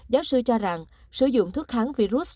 giáo sư cho rằng sử dụng thuốc kháng virus đủ sớm